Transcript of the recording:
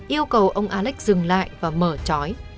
yêu cầu ông alex dừng lại và mở chói